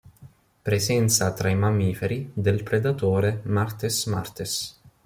Presenza tra i mammiferi del predatore "Martes martes".